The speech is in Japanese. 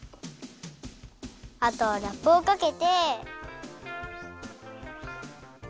あとはラップをかけて。